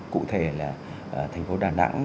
cụ thể là thành phố đà nẵng